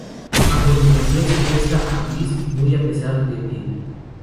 A continuación, secuestra a Vis, muy a pesar de Viru.